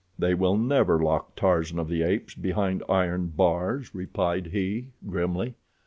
"They will never lock Tarzan of the Apes behind iron bars," replied he, grimly.